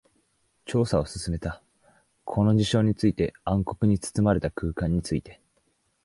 調査を進めた。この事象について、暗黒に包まれた空間について。